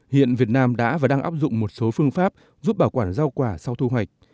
hiện việt nam đã và đang áp dụng một số phương pháp giúp bảo quản rau quả sau thu hoạch